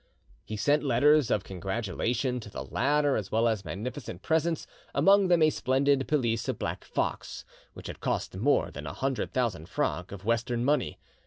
He sent letters of congratulation to the latter as well as magnificent presents, among them a splendid pelisse of black fox, which had cost more than a hundred thousand francs of Western money.